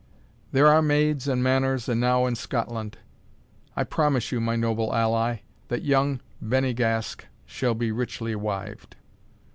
There are maids and manors enow in Scotland. I promise you, my noble ally, that young Bennygask shall be richly wived."